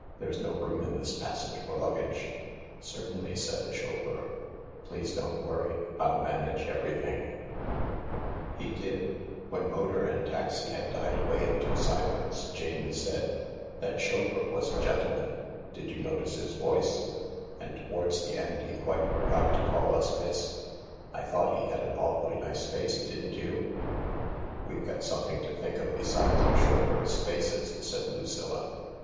There's no room in this passage for luggage." I'll 'If™ 1117 '" S l d tl f, chauffeur "Please don't worry. Ill manage everything." 3 Janfsaid • m ° t0r ^^^ int ° sUeDCe THE LARK 31 "That chauffeur was a gentleman. Did you notice his voice ? And towards the end he quite forgot to call us ' miss.' I thought he had an awfully nice face, didn't you ?" "We've got something to think of besides chauffeurs' faces," said Lucilla.